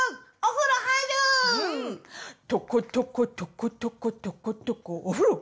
とことことことことことこお風呂！